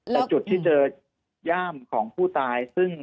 แต่จุดที่เจอย่ามของผู้ตายซึ่ง